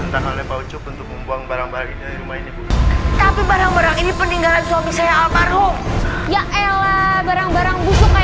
tapi barang barang ini peninggalan suami saya alparo ya elah barang barang busuk